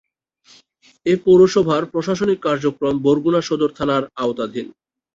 এ পৌরসভার প্রশাসনিক কার্যক্রম বরগুনা সদর থানার আওতাধীন।